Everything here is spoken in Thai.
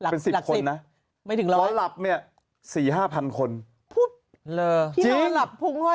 เป็นสิบคนนะไม่ถึงวันหน้าหลับเนี้ยสี่ห้าพันคนที่นอนฮะหลักพุ่งไห้